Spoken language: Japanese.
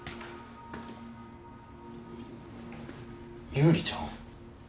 優里ちゃん？